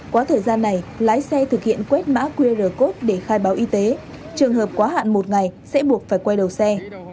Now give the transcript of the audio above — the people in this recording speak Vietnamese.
quá thời gian này lái xe thực hiện quét mã qr code để khai báo y tế trường hợp quá hạn một ngày sẽ buộc phải quay đầu xe